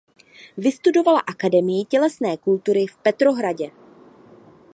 Vystudovala Akademii tělesné kultury v Petrohradě.